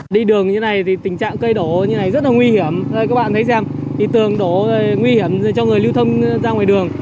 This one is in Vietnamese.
tình trạng cây đổ như thế này rất là nguy hiểm các bạn thấy xem tường đổ nguy hiểm cho người lưu thông ra ngoài đường